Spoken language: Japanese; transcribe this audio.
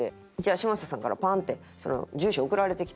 嶋佐さんからパンって住所送られてきたお店の。